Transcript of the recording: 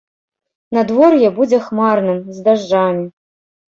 Надвор'е будзе хмарным, з дажджамі.